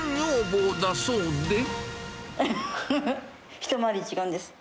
一回り違うんです。